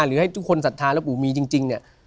หรือให้ทุกคนศรัทธาแล้วปู่มีจริงเนี่ย